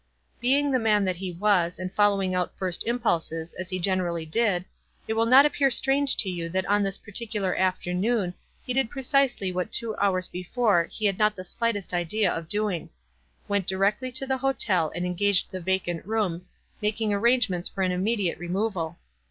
Being the man that he was, and following out first impulses, as he generally did, it will not appear strange to you that on this particular af ternoon he did precisely what two hours before he had not the slightest idea of doing : went di rectly to the hotel and engaged the vacant rooms, making arrangements for an immediate removal.